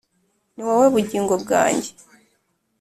Ni wowe bugingo bwanjye